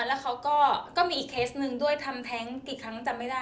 และมีอีกเคสหนึ่งที่มันทำแท็งก์กี่ครั้งเขาจำไม่ได้